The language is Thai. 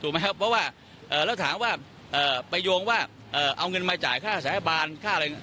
เพราะว่าแล้วถามว่าไปโยงว่าเอาเงินมาจ่ายค่าสาธาบาลค่าอะไร